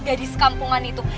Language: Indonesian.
sama gadis kampungan itu